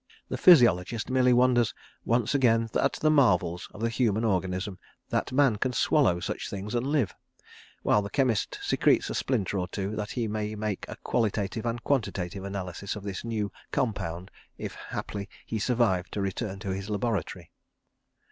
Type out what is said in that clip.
The physiologist merely wonders once again at the marvels of the human organism, that man can swallow such things and live; while the chemist secretes a splinter or two, that he may make a qualitative and quantitative analysis of this new, compound, if haply he survive to return to his laboratory.